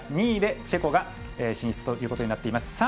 ２位でチェコが進出ということになっています。